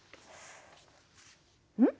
うん？